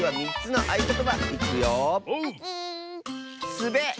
「すべ」！